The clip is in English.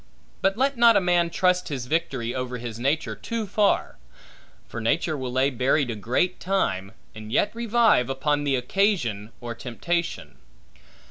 But let not a man trust his victory over his nature, too far; for nature will lay buried a great time, and yet revive, upon the occasion or temptation.